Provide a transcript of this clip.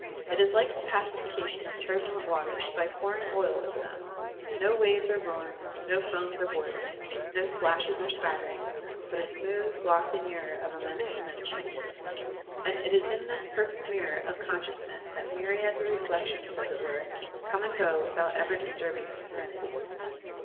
It is like the pacification of turbulent waters by potu* ing oil over them: no waves are roaring, no foams are boiling, no splashes are spattering, but a smooth, glossy mirror of immense dimen sion. And it is in this perfect nwrror of con sciousness that myriads of reflections, as it were, come and go without ever disturbing its serenity.